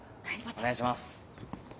お願いします。